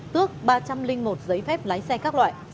tước ba trăm linh một giấy phép lái xe các loại